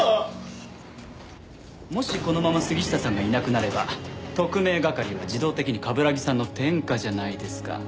もしこのまま杉下さんがいなくなれば特命係は自動的に冠城さんの天下じゃないですか。